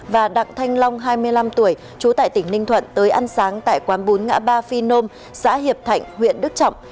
và đặng thanh long hai mươi năm tuổi trú tại tỉnh ninh thuận tới ăn sáng tại quán bốn ngã ba phi nôm xã hiệp thạnh huyện đức trọng